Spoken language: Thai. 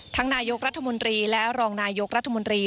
นายกรัฐมนตรีและรองนายกรัฐมนตรี